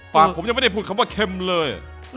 ปากผมยังไม่ได้พูดคำว่าเค็มเลย